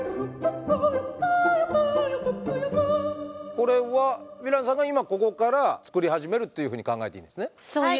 これはヴィランさんが今ここからつくり始めるっていうふうに考えていいですね？